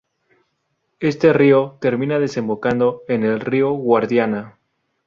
Este rio, termina desembocando en el rio Guadiana.